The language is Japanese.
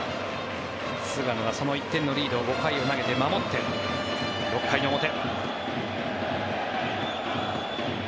菅野はその１点のリードを５回を投げて守って６回の表。